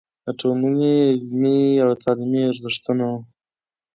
د ټولنې علمي او تعليمي ارزښتونو